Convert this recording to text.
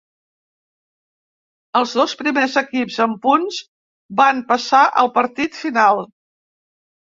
Els dos primers equips en punts van passar al partit final.